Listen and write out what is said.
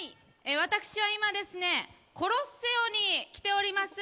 私は今ですねコロッセオに来ております。